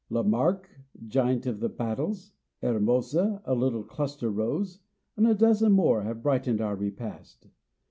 La Marque, Giant of Battles, Hermosa, a little cluster rose, and a dozen more, have brightened our repast.